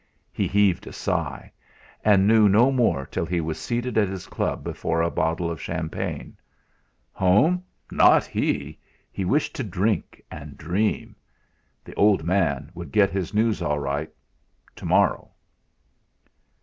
He heaved a sigh, and knew no more till he was seated at his club before a bottle of champagne. Home! Not he! He wished to drink and dream. "The old man" would get his news all right to morrow!